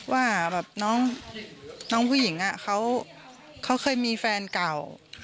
ว่าแบบน้องผู้หญิงเขาเคยมีแฟนเก่า